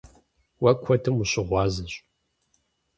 Уэ куэдым ущыгъуазэщ.